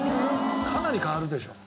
かなり変わるでしょう。